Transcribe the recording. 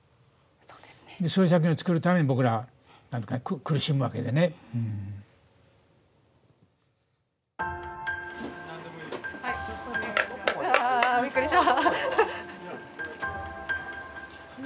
そういう作品を作るために僕ら苦しむわけでね。ああ、びっくりした！